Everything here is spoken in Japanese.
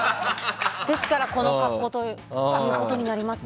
ですから、この格好ということになりますね。